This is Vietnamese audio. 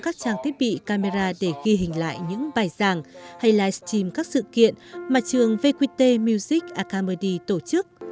các trang thiết bị camera để ghi hình lại những bài giảng hay livestream các sự kiện mà trường vqt music acamedi tổ chức